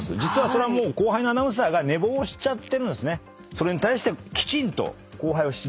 それに対して。